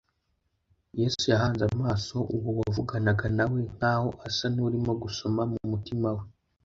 Yesu yahanze amaso uwo wavuganaga na we, nk’aho asa n’urimo gusoma mu mutima we.